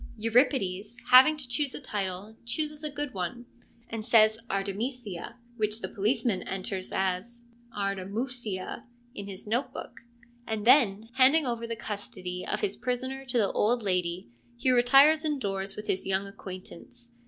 Euripides, having to choose a title, chooses a good one, and ARISTOPHANES 159 says, ' Artemisia,' which the policeman enters as ' Artamouxia ' in his note book, and then, handing over the custody of his prisoner to the old lady he retires indoors with his young aquaintance.